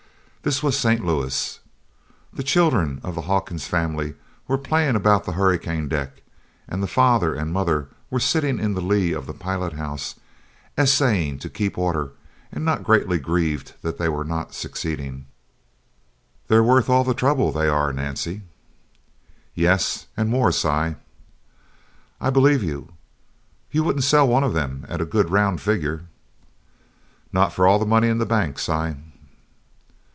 This was St. Louis. The children of the Hawkins family were playing about the hurricane deck, and the father and mother were sitting in the lee of the pilot house essaying to keep order and not greatly grieved that they were not succeeding. "They're worth all the trouble they are, Nancy." "Yes, and more, Si." "I believe you! You wouldn't sell one of them at a good round figure?" "Not for all the money in the bank, Si."